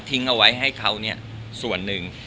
ทิ้งเอาไว้ให้เค้าเนี่ยส่วนนึง